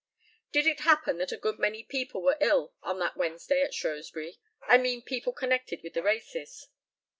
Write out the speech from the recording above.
Did it happen that a good many people were ill on that Wednesday at Shrewsbury I mean people connected with the races?